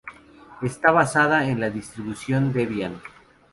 Está basada en la distribución Debian.